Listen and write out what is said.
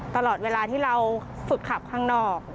ตลอดเวลาที่เราฝึกขับข้างนอก